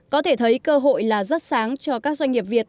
có thể thấy cơ hội là rất sáng cho các doanh nghiệp việt